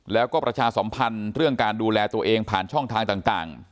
แล้วก็ประชาสมพันธ์เรื่องการดูแลตัวเองผ่านช่องทางต่าง